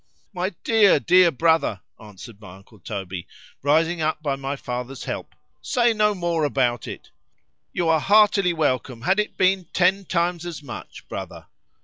——My dear, dear brother, answered my uncle Toby, rising up by my father's help, say no more about it;—you are heartily welcome, had it been ten times as much, brother.